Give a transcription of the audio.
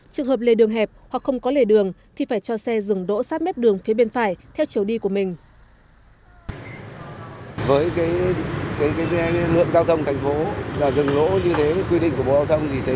trường hợp lề đường hẹp hoặc không có lề đường thì phải cho xe dừng đỗ sát mếp đường phía bên phải theo chiều đi của mình